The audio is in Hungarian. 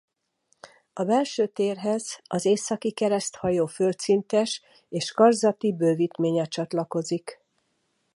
A belső térhez az északi kereszthajó földszintes és karzati bővítménye csatlakozik.